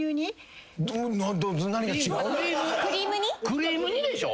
クリーム煮でしょ？